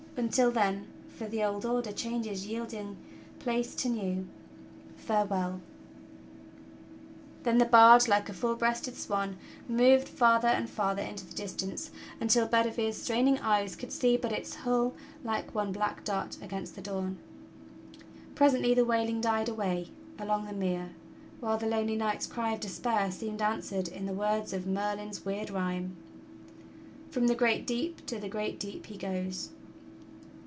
LTntil then, for the old order changes yielding place to new. Farewell!" 154 THE STORY OF KING ARTHUR Then the barge, like a full breasted swan, moved farther and farther into the distance until Bedivere's straining eyes could see but its hull like one black dot against the dawn. Presently the wailing died away along the mere, while the lonely knight's cry of despair seemed answered in the words of Merlin's weird rhyme: "From the great deep to the great deep he goes."